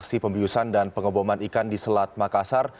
aksi pembiusan dan pengeboman ikan di selat makassar